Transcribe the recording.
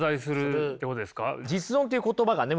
実存という言葉がね